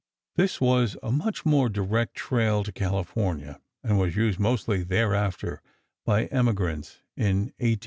This was a much more direct trail to California and was used mostly thereafter by emigrants in 1850 51.